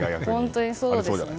本当にそうですね。